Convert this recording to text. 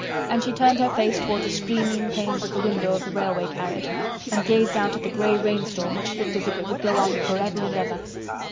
And she turned her face toward the streaming panes of the window of the railway carriage and gazed out at the gray rain storm which looked as if it would go on forever and ever.